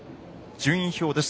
順位表です。